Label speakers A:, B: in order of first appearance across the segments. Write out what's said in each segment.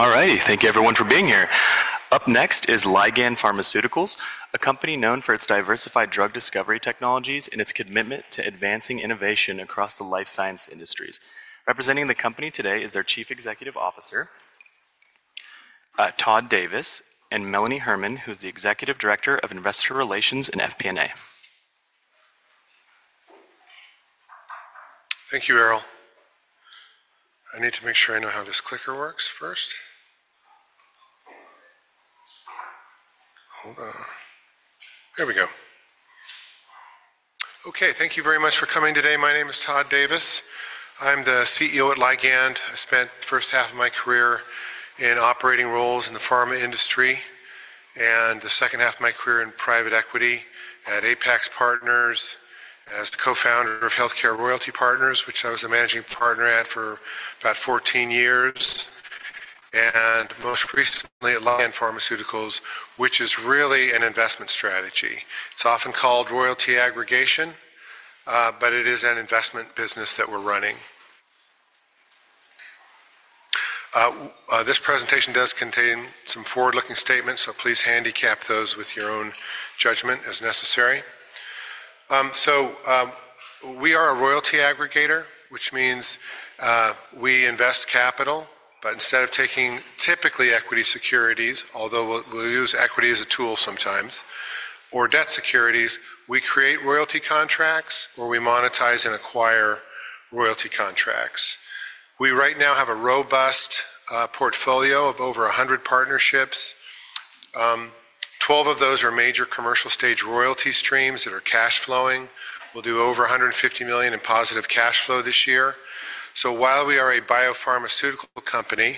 A: All righty. Thank you, everyone, for being here. Up next is Ligand Pharmaceuticals, a company known for its diversified drug discovery technologies and its commitment to advancing innovation across the life science industries. Representing the company today is their Chief Executive Officer, Todd Davis, and Melanie Herman, who is the Executive Director of Investor Relations and FP&A.
B: Thank you, Errol. I need to make sure I know how this clicker works first. Hold on. There we go. Okay. Thank you very much for coming today. My name is Todd Davis. I'm the CEO at Ligand. I spent the first half of my career in operating roles in the pharma industry and the second half of my career in private equity at Apax Partners as the co-founder of HealthCare Royalty Partners, which I was a managing partner at for about 14 years. Most recently at Ligand Pharmaceuticals, which is really an investment strategy. It's often called royalty aggregation, but it is an investment business that we're running. This presentation does contain some forward-looking statements, so please handicap those with your own judgment as necessary. We are a royalty aggregator, which means we invest capital, but instead of taking typically equity securities, although we'll use equity as a tool sometimes, or debt securities, we create royalty contracts or we monetize and acquire royalty contracts. We right now have a robust portfolio of over 100 partnerships. Twelve of those are major commercial-stage royalty streams that are cash-flowing. We'll do over $150 million in positive cash flow this year. While we are a biopharmaceutical company,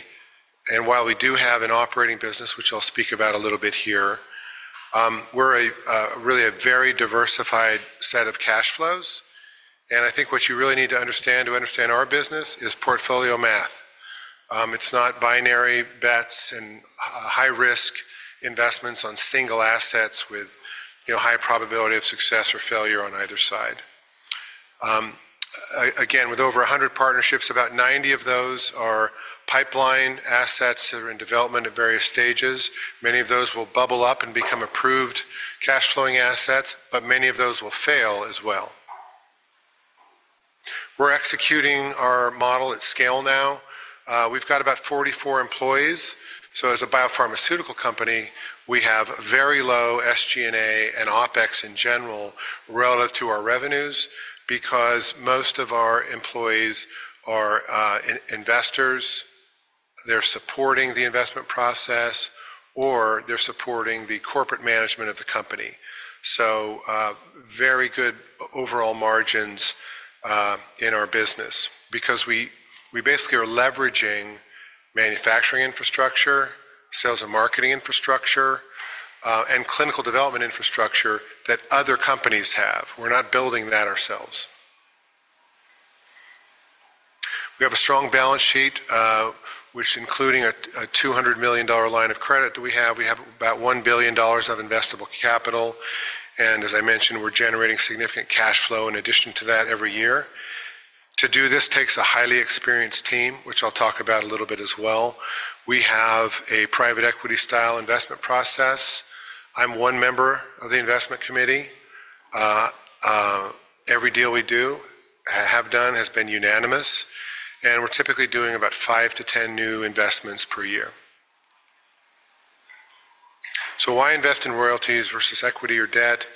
B: and while we do have an operating business, which I'll speak about a little bit here, we're really a very diversified set of cash flows. I think what you really need to understand to understand our business is portfolio math. It's not binary bets and high-risk investments on single assets with high probability of success or failure on either side. Again, with over 100 partnerships, about 90 of those are pipeline assets that are in development at various stages. Many of those will bubble up and become approved cash-flowing assets, but many of those will fail as well. We're executing our model at scale now. We've got about 44 employees. As a biopharmaceutical company, we have very low SG&A and OPEX in general relative to our revenues because most of our employees are investors. They're supporting the investment process, or they're supporting the corporate management of the company. Very good overall margins in our business because we basically are leveraging manufacturing infrastructure, sales and marketing infrastructure, and clinical development infrastructure that other companies have. We're not building that ourselves. We have a strong balance sheet, which including a $200 million line of credit that we have, we have about $1 billion of investable capital. As I mentioned, we're generating significant cash flow in addition to that every year. To do this takes a highly experienced team, which I'll talk about a little bit as well. We have a private equity-style investment process. I'm one member of the investment committee. Every deal we have done has been unanimous. We're typically doing about 5-10 new investments per year. Why invest in royalties versus equity or debt?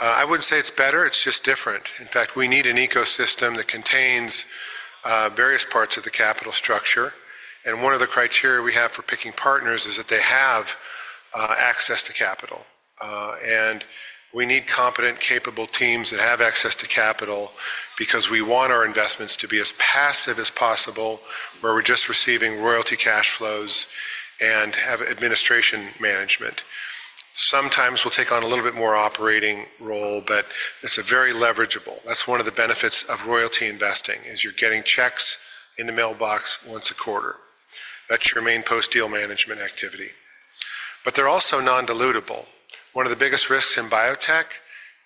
B: I wouldn't say it's better. It's just different. In fact, we need an ecosystem that contains various parts of the capital structure. One of the criteria we have for picking partners is that they have access to capital. We need competent, capable teams that have access to capital because we want our investments to be as passive as possible where we're just receiving royalty cash flows and have administration management. Sometimes we'll take on a little bit more operating role, but it's very leverageable. That's one of the benefits of royalty investing is you're getting checks in the mailbox once a quarter. That's your main post-deal management activity. They're also non-dilutable. One of the biggest risks in biotech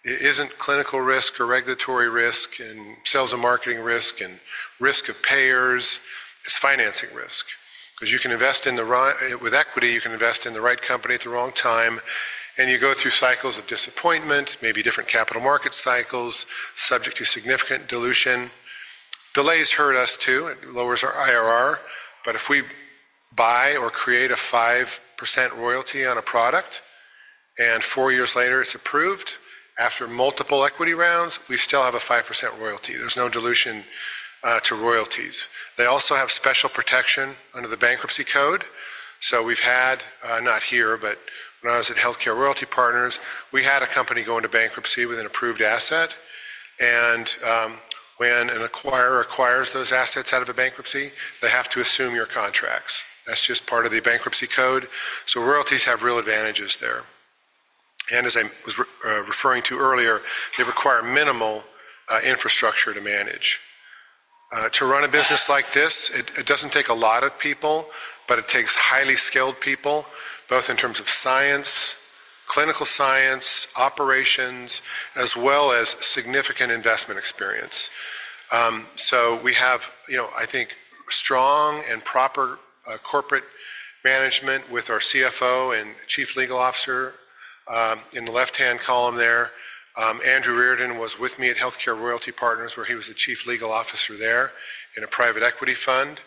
B: isn't clinical risk or regulatory risk and sales and marketing risk and risk of payers. It's financing risk because you can invest with equity, you can invest in the right company at the wrong time, and you go through cycles of disappointment, maybe different capital market cycles, subject to significant dilution. Delays hurt us too. It lowers our IRR. If we buy or create a 5% royalty on a product and four years later it's approved after multiple equity rounds, we still have a 5% royalty. There's no dilution to royalties. They also have special protection under the bankruptcy code. We've had, not here, but when I was at HealthCare Royalty Partners, we had a company go into bankruptcy with an approved asset. When an acquirer acquires those assets out of a bankruptcy, they have to assume your contracts. That is just part of the bankruptcy code. Royalties have real advantages there. As I was referring to earlier, they require minimal infrastructure to manage. To run a business like this, it does not take a lot of people, but it takes highly skilled people, both in terms of science, clinical science, operations, as well as significant investment experience. We have, I think, strong and proper corporate management with our CFO and Chief Legal Officer in the left-hand column there. Andrew Reardon was with me at HealthCare Royalty Partners where he was the Chief Legal Officer there in a private equity fund.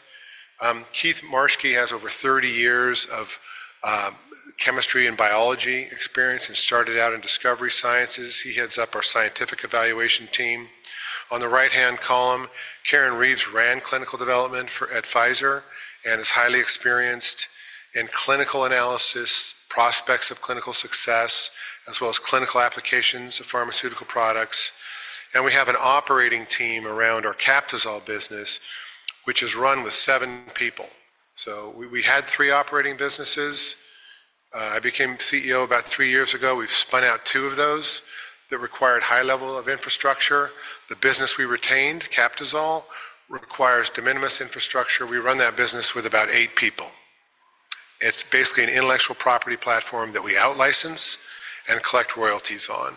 B: Keith Marschke has over 30 years of chemistry and biology experience and started out in discovery sciences. He heads up our scientific evaluation team. On the right-hand column, Karen Reeves ran clinical development for Advisor and is highly experienced in clinical analysis, prospects of clinical success, as well as clinical applications of pharmaceutical products. We have an operating team around our Captisol business, which is run with seven people. We had three operating businesses. I became CEO about three years ago. We've spun out two of those that required high-level infrastructure. The business we retained, Captisol, requires de minimis infrastructure. We run that business with about eight people. It's basically an intellectual property platform that we out-license and collect royalties on.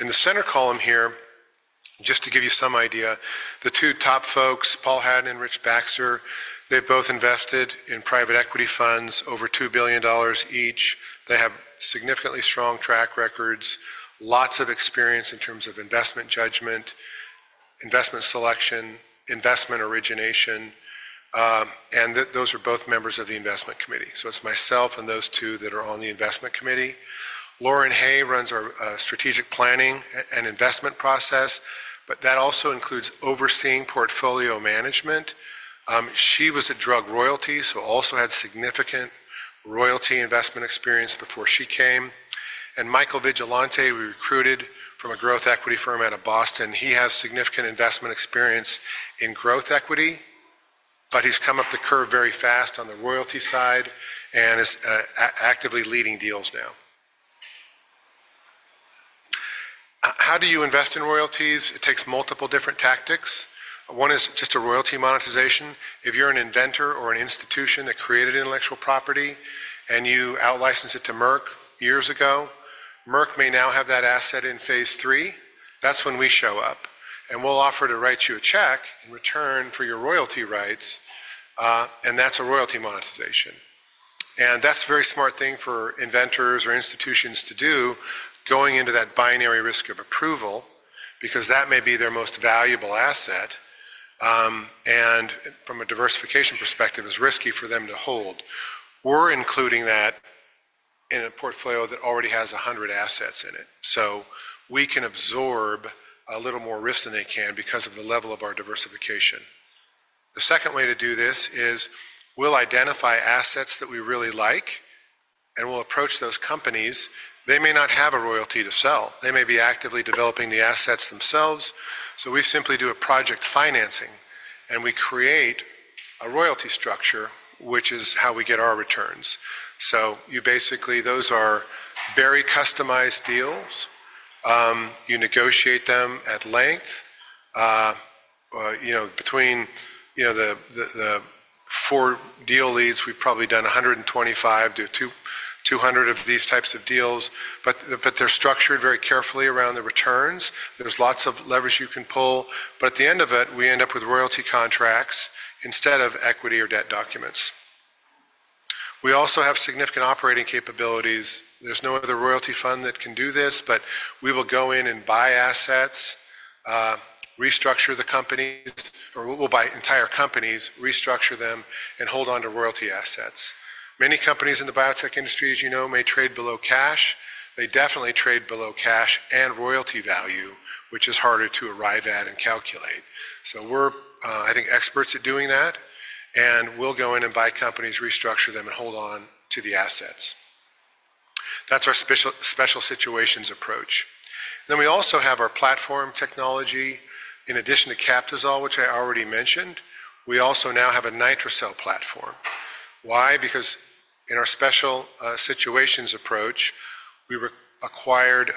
B: In the center column here, just to give you some idea, the two top folks, Paul Hadden and Rich Baxter, they've both invested in private equity funds over $2 billion each. They have significantly strong track records, lots of experience in terms of investment judgment, investment selection, investment origination. Those are both members of the investment committee. It's myself and those two that are on the investment committee. Lauren Hay runs our strategic planning and investment process, but that also includes overseeing portfolio management. She was at Drug Royalty, so also had significant royalty investment experience before she came. Michael Vigilante, we recruited from a growth equity firm out of Boston. He has significant investment experience in growth equity, but he's come up the curve very fast on the royalty side and is actively leading deals now. How do you invest in royalties? It takes multiple different tactics. One is just a royalty monetization. If you're an inventor or an institution that created intellectual property and you out-licensed it to Merck years ago, Merck may now have that asset in phase three. That is when we show up. We will offer to write you a check in return for your royalty rights. That is a royalty monetization. That is a very smart thing for inventors or institutions to do going into that binary risk of approval because that may be their most valuable asset. From a diversification perspective, it is risky for them to hold. We are including that in a portfolio that already has 100 assets in it. We can absorb a little more risk than they can because of the level of our diversification. The second way to do this is we'll identify assets that we really like and we'll approach those companies. They may not have a royalty to sell. They may be actively developing the assets themselves. We simply do a project financing and we create a royalty structure, which is how we get our returns. Basically, those are very customized deals. You negotiate them at length. Between the four deal leads, we've probably done 125 to 200 of these types of deals. They're structured very carefully around the returns. There's lots of leverage you can pull. At the end of it, we end up with royalty contracts instead of equity or debt documents. We also have significant operating capabilities. There's no other royalty fund that can do this, but we will go in and buy assets, restructure the companies, or we'll buy entire companies, restructure them, and hold on to royalty assets. Many companies in the biotech industry, as you know, may trade below cash. They definitely trade below cash and royalty value, which is harder to arrive at and calculate. We're, I think, experts at doing that. We'll go in and buy companies, restructure them, and hold on to the assets. That's our special situations approach. We also have our platform technology. In addition to Captisol, which I already mentioned, we also now have a NITRICIL platform. Why? Because in our special situations approach, we acquired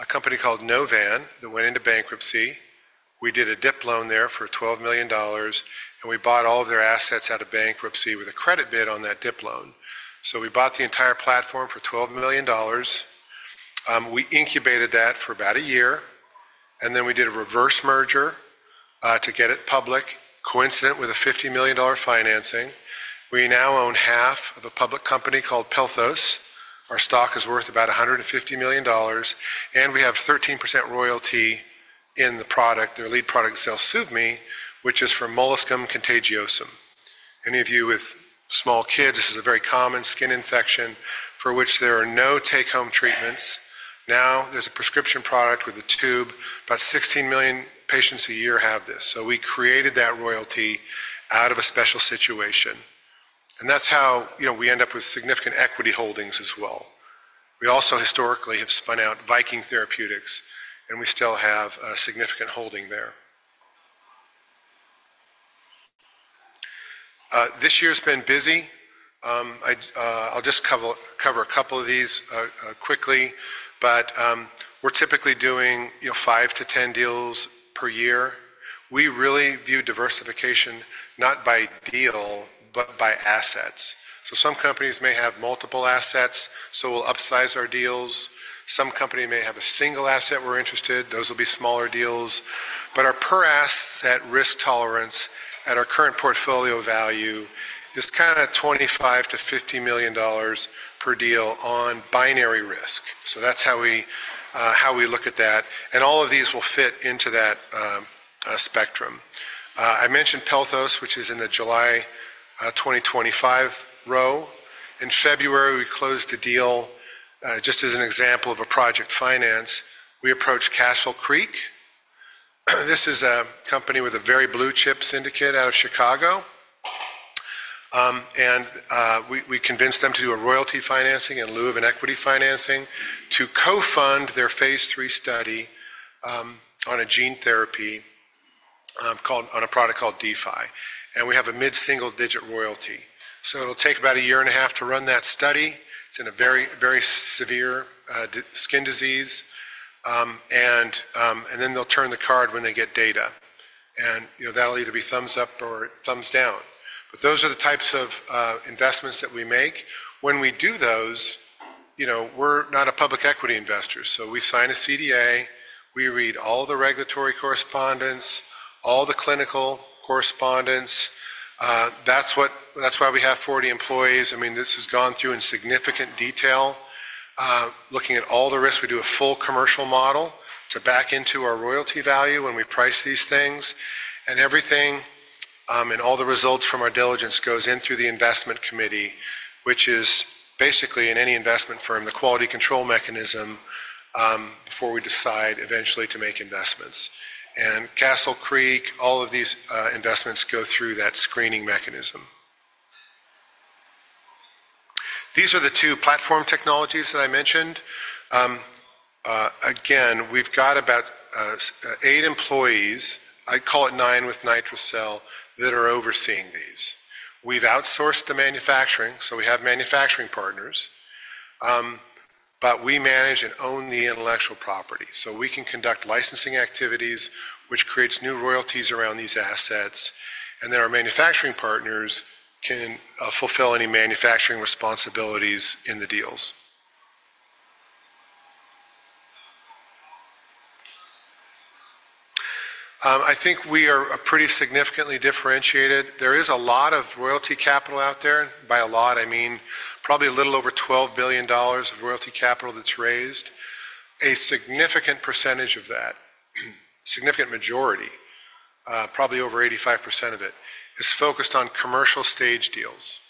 B: a company called Novan that went into bankruptcy. We did a DIP loan there for $12 million, and we bought all of their assets out of bankruptcy with a credit bid on that DIP loan. We bought the entire platform for $12 million. We incubated that for about a year. We did a reverse merger to get it public, coincident with a $50 million financing. We now own half of a public company called Pelthos. Our stock is worth about $150 million. We have a 13% royalty in the product. Their lead product is ZELSUVMI, which is for molluscum contagiosum. Any of you with small kids, this is a very common skin infection for which there are no take-home treatments. Now there is a prescription product with a tube. About 16 million patients a year have this. We created that royalty out of a special situation. That's how we end up with significant equity holdings as well. We also historically have spun out Viking Therapeutics, and we still have a significant holding there. This year has been busy. I'll just cover a couple of these quickly, but we're typically doing 5 to 10 deals per year. We really view diversification not by deal, but by assets. Some companies may have multiple assets, so we'll upsize our deals. Some company may have a single asset we're interested in. Those will be smaller deals. Our per-asset risk tolerance at our current portfolio value is kind of $25 million to $50 million per deal on binary risk. That's how we look at that. All of these will fit into that spectrum. I mentioned Pelthos, which is in the July 2025 row. In February, we closed a deal just as an example of a project finance. We approached Castle Creek. This is a company with a very blue-chip syndicate out of Chicago. We convinced them to do a royalty financing in lieu of an equity financing to co-fund their phase three study on a gene therapy on a product called D-fi. We have a mid-single-digit royalty. It will take about a year and a half to run that study. It is in a very severe skin disease. They will turn the card when they get data. That will either be thumbs up or thumbs down. Those are the types of investments that we make. When we do those, we are not a public equity investor. We sign a CDA. We read all the regulatory correspondence, all the clinical correspondence. That is why we have 40 employees. I mean, this has gone through in significant detail. Looking at all the risks, we do a full commercial model to back into our royalty value when we price these things. Everything and all the results from our diligence goes in through the investment committee, which is basically in any investment firm, the quality control mechanism before we decide eventually to make investments. Castle Creek, all of these investments go through that screening mechanism. These are the two platform technologies that I mentioned. Again, we've got about eight employees. I'd call it nine with NITRICIL that are overseeing these. We've outsourced the manufacturing, so we have manufacturing partners. We manage and own the intellectual property. We can conduct licensing activities, which creates new royalties around these assets. Our manufacturing partners can fulfill any manufacturing responsibilities in the deals. I think we are pretty significantly differentiated. There is a lot of royalty capital out there. And by a lot, I mean probably a little over $12 billion of royalty capital that's raised. A significant percentage of that, significant majority, probably over 85% of it, is focused on commercial stage deals.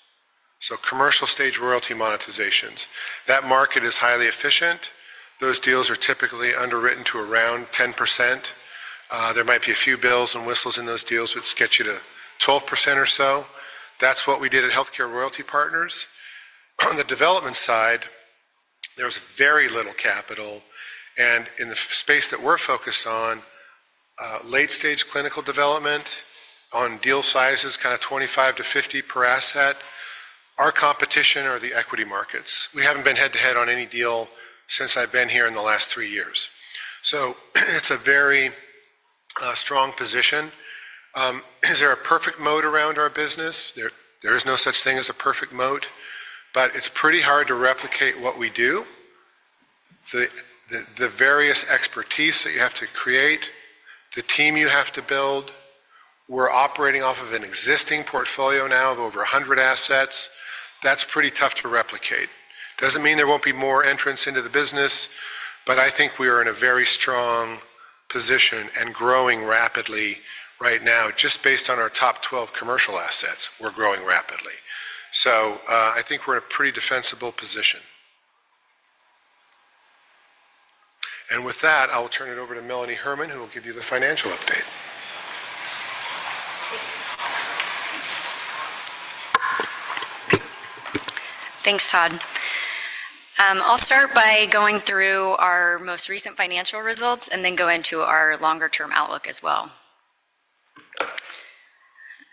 B: So commercial stage royalty monetizations. That market is highly efficient. Those deals are typically underwritten to around 10%. There might be a few bells and whistles in those deals that get you to 12% or so. That's what we did at HealthCare Royalty Partners. On the development side, there's very little capital. And in the space that we're focused on, late-stage clinical development on deal sizes, kind of $25 million-$50 million per asset, our competition are the equity markets. We haven't been head-to-head on any deal since I've been here in the last three years. So it's a very strong position. Is there a perfect moat around our business? There is no such thing as a perfect moat. It is pretty hard to replicate what we do. The various expertise that you have to create, the team you have to build. We are operating off of an existing portfolio now of over 100 assets. That is pretty tough to replicate. It does not mean there will not be more entrants into the business, but I think we are in a very strong position and growing rapidly right now, just based on our top 12 commercial assets. We are growing rapidly. I think we are in a pretty defensible position. With that, I will turn it over to Melanie Herman, who will give you the financial update.
C: Thanks, Todd. I'll start by going through our most recent financial results and then go into our longer-term outlook as well.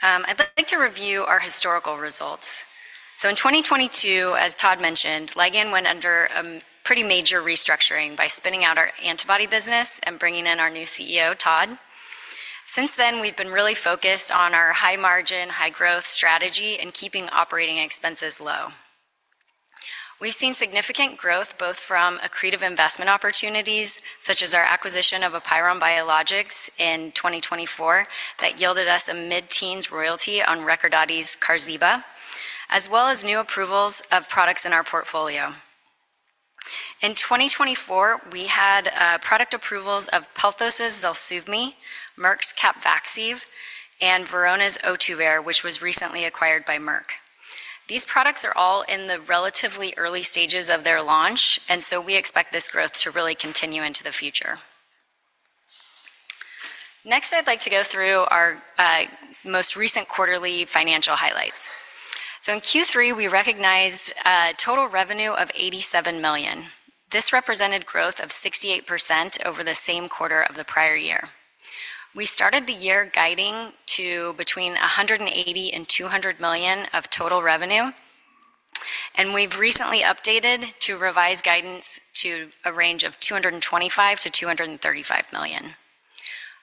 C: I'd like to review our historical results. In 2022, as Todd mentioned, Ligand went under a pretty major restructuring by spinning out our antibody business and bringing in our new CEO, Todd. Since then, we've been really focused on our high-margin, high-growth strategy and keeping operating expenses low. We've seen significant growth both from accretive investment opportunities, such as our acquisition of APEIRON Biologics in 2024 that yielded us a mid-teens royalty on Recordati's Qarziba, as well as new approvals of products in our portfolio. In 2024, we had product approvals of Pelthos' ZELSUVMI, Merck's Capvaxive, and Verona's Ohtuvayre, which was recently acquired by Merck. These products are all in the relatively early stages of their launch, and we expect this growth to really continue into the future. Next, I'd like to go through our most recent quarterly financial highlights. In Q3, we recognized a total revenue of $87 million. This represented growth of 68% over the same quarter of the prior year. We started the year guiding to between $180 million and $200 million of total revenue. We have recently updated to revise guidance to a range of $225 million-$235 million.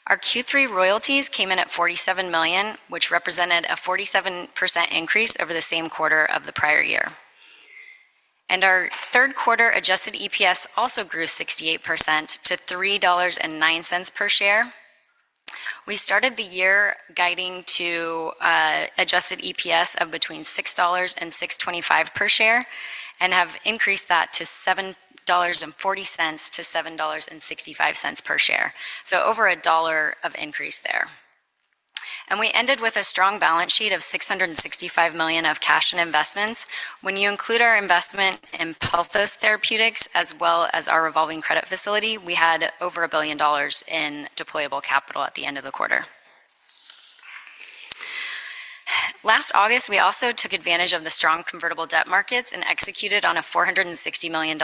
C: Our Q3 royalties came in at $47 million, which represented a 47% increase over the same quarter of the prior year. Our third quarter adjusted EPS also grew 68%-$3.09 per share. We started the year guiding to adjusted EPS of between $6.00 and $6.25 per share and have increased that to $7.40-$7.65 per share. Over a dollar of increase there. We ended with a strong balance sheet of $665 million of cash and investments. When you include our investment in Pelthos Therapeutics as well as our revolving credit facility, we had over $1 billion in deployable capital at the end of the quarter. Last August, we also took advantage of the strong convertible debt markets and executed on a $460 million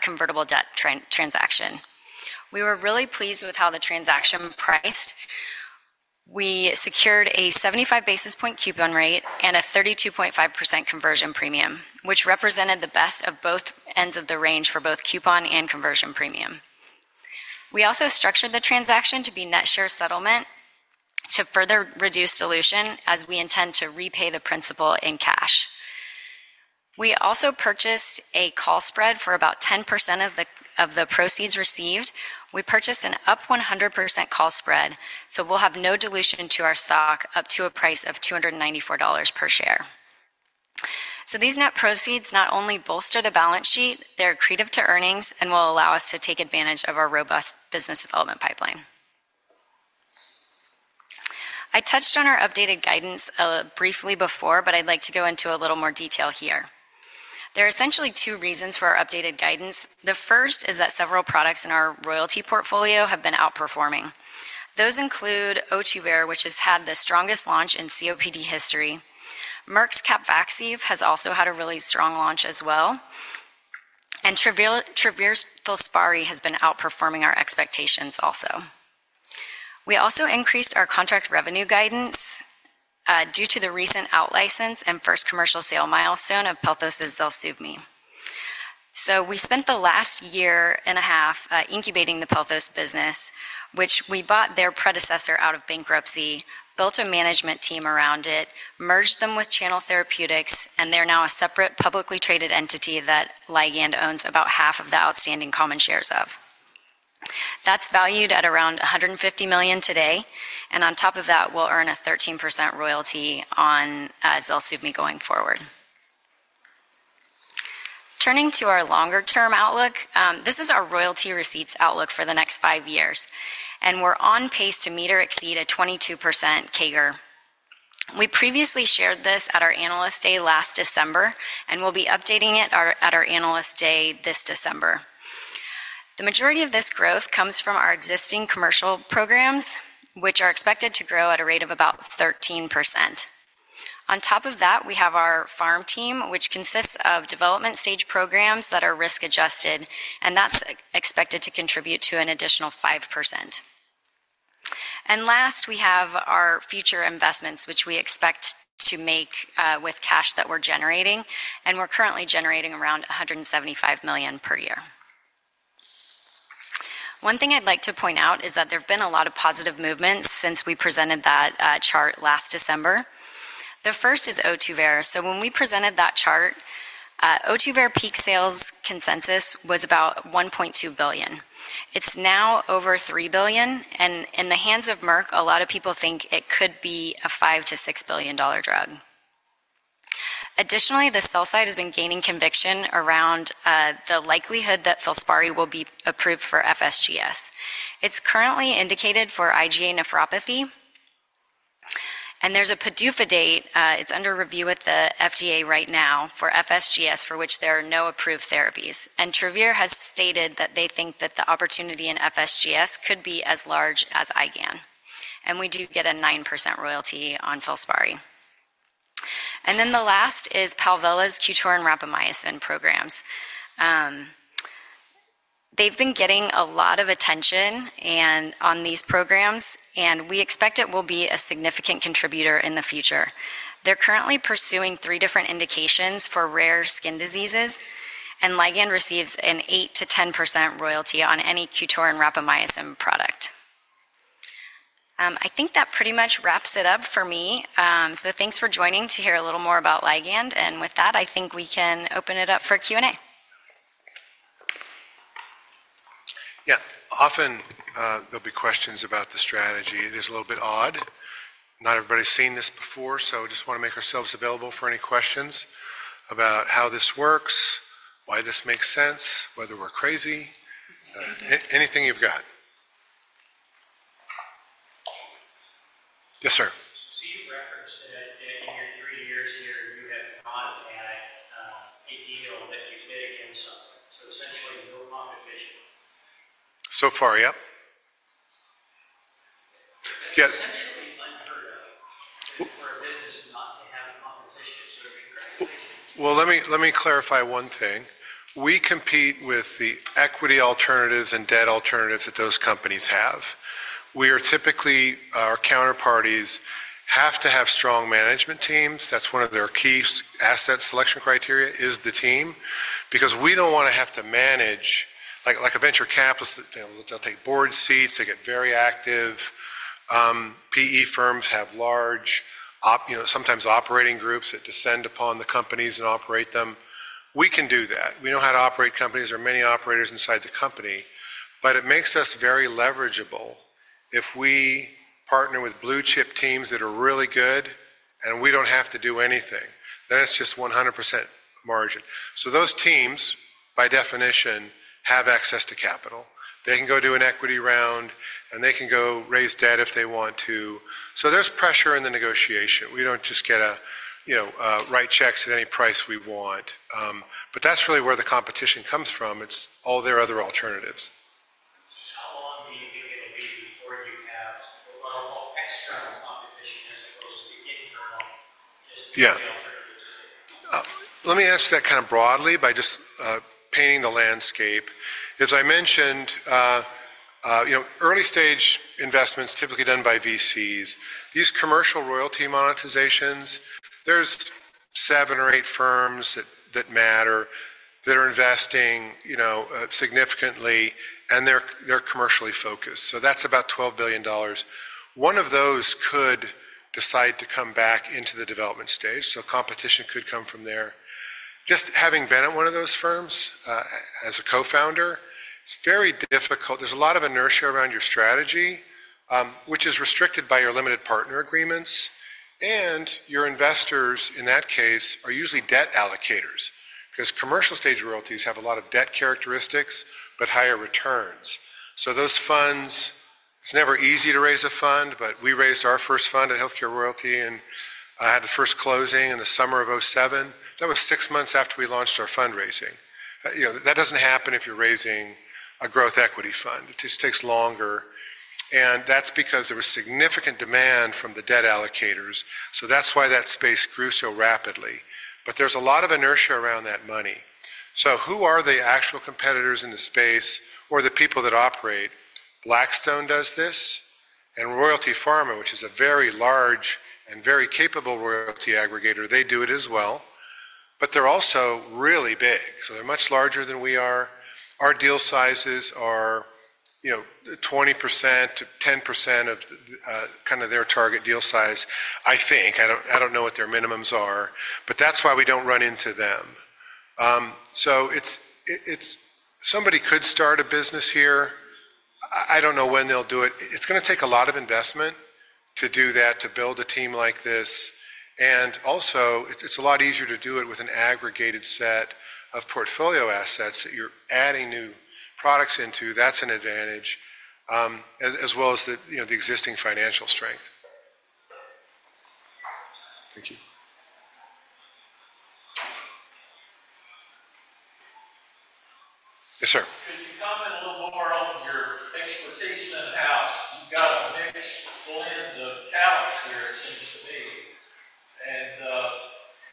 C: convertible debt transaction. We were really pleased with how the transaction priced. We secured a 75 basis point coupon rate and a 32.5% conversion premium, which represented the best of both ends of the range for both coupon and conversion premium. We also structured the transaction to be net share settlement to further reduce dilution as we intend to repay the principal in cash. We also purchased a call spread for about 10% of the proceeds received. We purchased an up 100% call spread, so we'll have no dilution to our stock up to a price of $294 per share. These net proceeds not only bolster the balance sheet, they're accretive to earnings and will allow us to take advantage of our robust business development pipeline. I touched on our updated guidance briefly before, but I'd like to go into a little more detail here. There are essentially two reasons for our updated guidance. The first is that several products in our royalty portfolio have been outperforming. Those include Ohtuvayre, which has had the strongest launch in COPD history. Merck's Capvaxive has also had a really strong launch as well. Travere's FILSPARI has been outperforming our expectations also. We also increased our contract revenue guidance due to the recent out license and first commercial sale milestone of Pelthos' ZELSUVMI. We spent the last year and a half incubating the Pelthos business, which we bought their predecessor out of bankruptcy, built a management team around it, merged them with Channel Therapeutics, and they're now a separate publicly traded entity that Ligand owns about half of the outstanding common shares of. That's valued at around $150 million today. On top of that, we'll earn a 13% royalty on ZELSUVMI going forward. Turning to our longer-term outlook, this is our royalty receipts outlook for the next five years. We're on pace to meet or exceed a 22% CAGR. We previously shared this at our analyst day last December, and we'll be updating it at our analyst day this December. The majority of this growth comes from our existing commercial programs, which are expected to grow at a rate of about 13%. On top of that, we have our farm team, which consists of development stage programs that are risk-adjusted, and that's expected to contribute to an additional 5%. Last, we have our future investments, which we expect to make with cash that we're generating. We're currently generating around $175 million per year. One thing I'd like to point out is that there have been a lot of positive movements since we presented that chart last December. The first is Ohtuvayre. When we presented that chart, Ohtuvayre peak sales consensus was about $1.2 billion. It's now over $3 billion. In the hands of Merck, a lot of people think it could be a $5 billion-$6 billion drug. Additionally, the sell side has been gaining conviction around the likelihood that Phosphory will be approved for FSGS. It's currently indicated for IgA nephropathy. There's a PDUFA date. It's under review with the FDA right now for FSGS, for which there are no approved therapies. Travere has stated that they think that the opportunity in FSGS could be as large as IgA nephropathy. We do get a 9% royalty on Phosphory. The last is Palvella's QTORIN Rapamycin programs. They've been getting a lot of attention on these programs, and we expect it will be a significant contributor in the future. They're currently pursuing three different indications for rare skin diseases, and Ligand receives an 8%-10% royalty on any QTORIN Rapamycin product. I think that pretty much wraps it up for me. Thanks for joining to hear a little more about Ligand. With that, I think we can open it up for Q&A.
B: Yeah. Often there'll be questions about the strategy. It is a little bit odd. Not everybody's seen this before, so we just want to make ourselves available for any questions about how this works, why this makes sense, whether we're crazy. Anything you've got. Yes, sir. Essentially, no competition. Far, yep. Let me clarify one thing. We compete with the equity alternatives and debt alternatives that those companies have. We are typically, our counterparties have to have strong management teams. That is one of their key asset selection criteria is the team, because we do not want to have to manage like a venture capital. They will take board seats. They get very active. PE firms have large, sometimes operating groups that descend upon the companies and operate them. We can do that. We know how to operate companies. There are many operators inside the company. It makes us very leverageable if we partner with blue chip teams that are really good and we do not have to do anything. It is just 100% margin. Those teams, by definition, have access to capital. They can go do an equity round, and they can go raise debt if they want to. There is pressure in the negotiation. We do not just get to write checks at any price we want. That is really where the competition comes from. It is all their other alternatives. Let me answer that kind of broadly by just painting the landscape. As I mentioned, early-stage investments typically done by VCs. These commercial royalty monetizations, there are seven or eight firms that matter that are investing significantly, and they are commercially focused. That is about $12 billion. One of those could decide to come back into the development stage. Competition could come from there. Just having been at one of those firms as a co-founder, it is very difficult. There is a lot of inertia around your strategy, which is restricted by your limited partner agreements. Your investors, in that case, are usually debt allocators, because commercial stage royalties have a lot of debt characteristics, but higher returns. Those funds, it is never easy to raise a fund, but we raised our first fund at HealthCare Royalty and had the first closing in the summer of 2007. That was six months after we launched our fundraising. That does not happen if you are raising a growth equity fund. It just takes longer. That is because there was significant demand from the debt allocators. That is why that space grew so rapidly. There is a lot of inertia around that money. Who are the actual competitors in the space or the people that operate? Blackstone does this. Royalty Pharma, which is a very large and very capable royalty aggregator, they do it as well. They are also really big. They are much larger than we are. Our deal sizes are 20%-10% of kind of their target deal size, I think. I do not know what their minimums are, that is why we do not run into them. Somebody could start a business here. I do not know when they will do it. It's going to take a lot of investment to do that, to build a team like this. It is also a lot easier to do it with an aggregated set of portfolio assets that you're adding new products into. That's an advantage, as well as the existing financial strength. Thank you. Yes, sir. Could you comment a little more on your expertise in-house? You've got a mixed blend of talents here, it seems to me.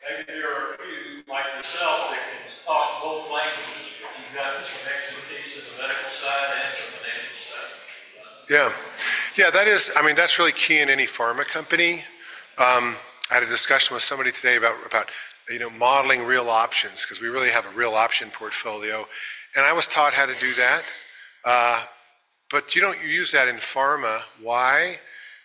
B: Maybe there are a few like yourself that can talk both languages, but you've got some expertise in the medical side and the financial side. Yeah. Yeah, that is, I mean, that's really key in any pharma company. I had a discussion with somebody today about modeling real options, because we really have a real option portfolio. And I was taught how to do that. You don't use that in pharma. Why?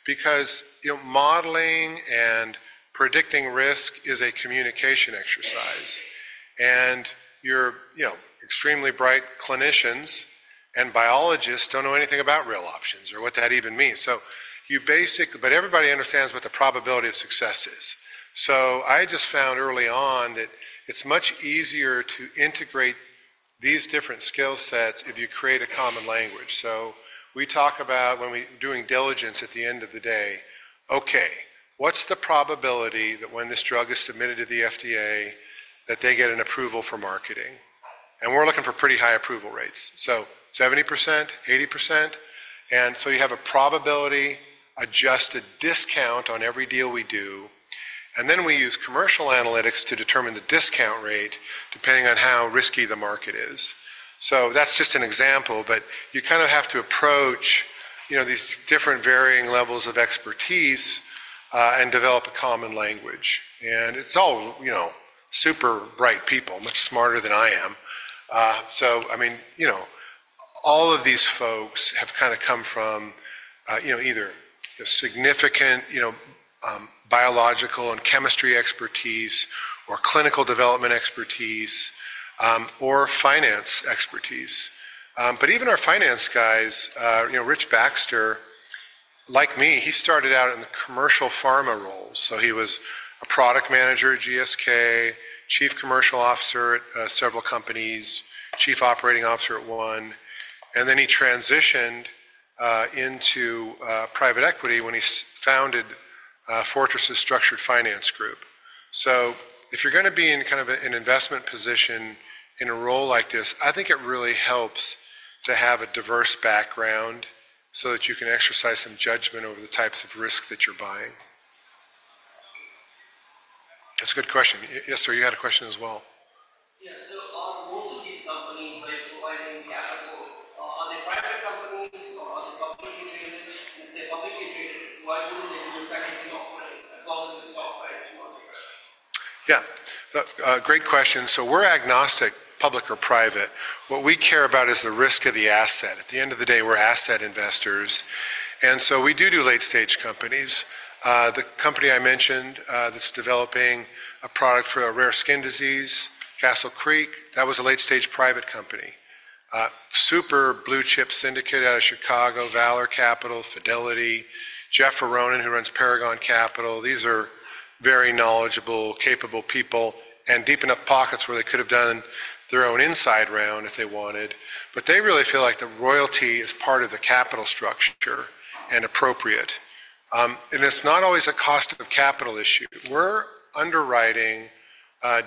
B: Because modeling and predicting risk is a communication exercise. Your extremely bright clinicians and biologists don't know anything about real options or what that even means. Everybody understands what the probability of success is. I just found early on that it's much easier to integrate these different skill sets if you create a common language. We talk about when we're doing diligence at the end of the day, okay, what's the probability that when this drug is submitted to the FDA, that they get an approval for marketing? We're looking for pretty high approval rates. 70%, 80%. You have a probability-adjusted discount on every deal we do. We use commercial analytics to determine the discount rate depending on how risky the market is. That's just an example, but you kind of have to approach these different varying levels of expertise and develop a common language. It's all super bright people, much smarter than I am. I mean, all of these folks have kind of come from either significant biological and chemistry expertise or clinical development expertise or finance expertise. Even our finance guys, Rich Baxter, like me, he started out in the commercial pharma roles. He was a product manager at GSK, Chief Commercial Officer at several companies, Chief Operating Officer at one. He transitioned into private equity when he founded Fortress's Structured Finance Group. If you're going to be in kind of an investment position in a role like this, I think it really helps to have a diverse background so that you can exercise some judgment over the types of risk that you're buying. That's a good question. Yes, sir, you had a question as well. Yeah. Are most of these companies providing capital? Are they private companies or are they publicly traded? If they're publicly traded, why wouldn't they do a secondary offering? That's all that we're stopped by as to undergrad. Yeah. Great question. We are agnostic, public or private. What we care about is the risk of the asset. At the end of the day, we are asset investors. We do do late-stage companies. The company I mentioned that is developing a product for a rare skin disease, Castle Creek, that was a late-stage private company. Super blue chip syndicate out of Chicago, Valor Capital, Fidelity, Jeff Aronin, who runs Paragon Capital. These are very knowledgeable, capable people and deep enough pockets where they could have done their own inside round if they wanted. They really feel like the royalty is part of the capital structure and appropriate. It is not always a cost of capital issue. We are underwriting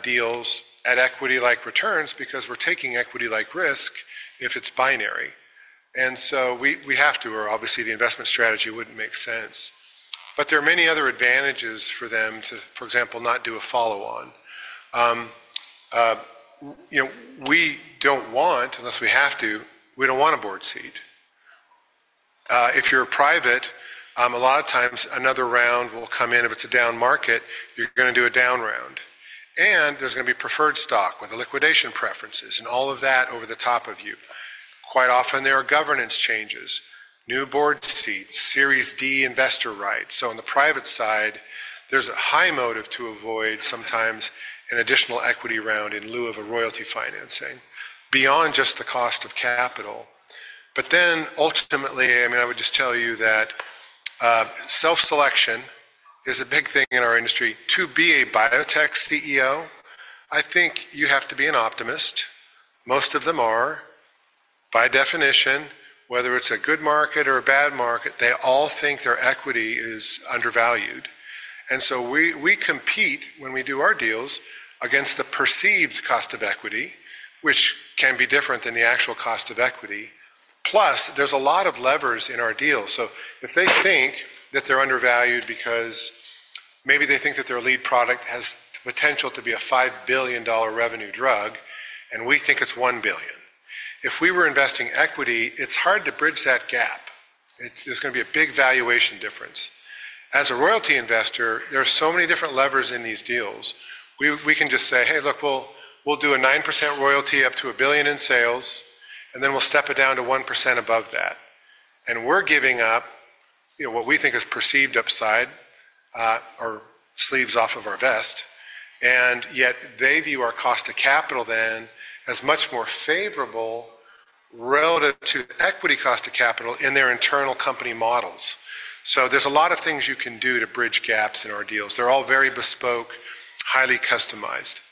B: deals at equity-like returns because we are taking equity-like risk if it is binary. We have to, or obviously the investment strategy would not make sense. There are many other advantages for them to, for example, not do a follow-on. We do not want, unless we have to, we do not want a board seat. If you are a private, a lot of times another round will come in. If it is a down market, you are going to do a down round. There is going to be preferred stock with liquidation preferences and all of that over the top of you. Quite often, there are governance changes, new board seats, Series D investor rights. On the private side, there is a high motive to avoid sometimes an additional equity round in lieu of a royalty financing beyond just the cost of capital. Ultimately, I mean, I would just tell you that self-selection is a big thing in our industry. To be a biotech CEO, I think you have to be an optimist. Most of them are. By definition, whether it's a good market or a bad market, they all think their equity is undervalued. We compete when we do our deals against the perceived cost of equity, which can be different than the actual cost of equity. Plus, there's a lot of levers in our deals. If they think that they're undervalued because maybe they think that their lead product has the potential to be a $5 billion revenue drug, and we think it's $1 billion. If we were investing equity, it's hard to bridge that gap. There's going to be a big valuation difference. As a royalty investor, there are so many different levers in these deals. We can just say, "Hey, look, we'll do a 9% royalty up to $1 billion in sales, and then we'll step it down to 1% above that." And we're giving up what we think is perceived upside or sleeves off of our vest. Yet they view our cost of capital then as much more favorable relative to equity cost of capital in their internal company models. There are a lot of things you can do to bridge gaps in our deals. They are all very bespoke, highly customized. Yes, sir.